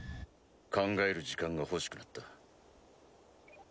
考える時間が欲しくなった。